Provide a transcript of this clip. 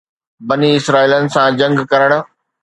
بني اسرائيلن سان جنگ ڪرڻ